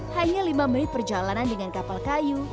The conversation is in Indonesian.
hanya lima menit perjalanan dengan kapal kayu